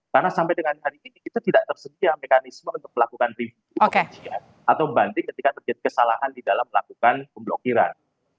karena sampai dengan hari ini kita tidak tersedia mekanisme untuk melakukan review pengujian atau pembanding ketika terjadi kesalahan di dalam melakukan pemblokiran